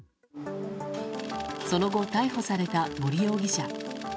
その後、逮捕された森容疑者。